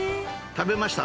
食べました？